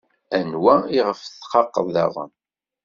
Anwa iɣef txaqeḍ daɣen?